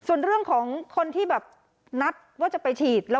ส่วนเรื่องของคนที่แบบนัดว่าจะไปฉีด